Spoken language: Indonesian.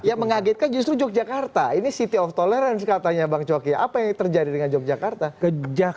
yang mengagetkan justru yogyakarta ini city of tolerance katanya bang coki apa yang terjadi dengan yogyakarta